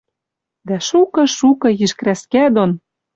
Дӓ шукы, шукы йиш крӓскӓ дон